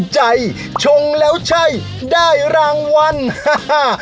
ใจชงแล้วใช่ได้รางวัลฮ่า